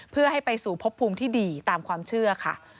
เพื่อให้ไปสู่พบภูมิที่ดีตามความเชื่อค่ะ